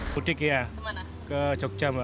mudik ya ke jogja mbak